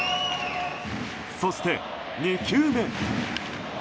そして、２球目。